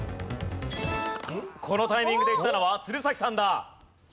このタイミングでいったのは鶴崎さんだ。